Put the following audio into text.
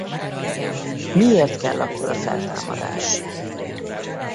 Miért kell akkor a feltámadás?